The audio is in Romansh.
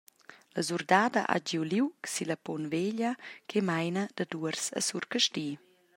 La surdada ha giu liug silla punt veglia che meina dad Uors a Surcasti.